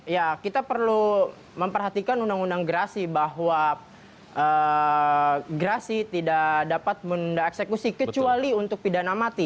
ya kita perlu memperhatikan undang undang gerasi bahwa gerasi tidak dapat menunda eksekusi kecuali untuk pidana mati